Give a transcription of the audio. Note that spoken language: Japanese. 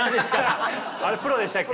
あれプロでしたっけ。